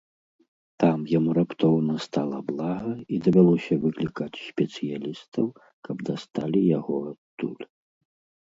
Там яму раптоўна стала блага і давялося выклікаць спецыялістаў, каб дасталі яго адтуль.